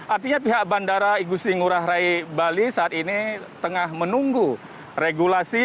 artinya pihak bandara igusti ngurah rai bali saat ini tengah menunggu regulasi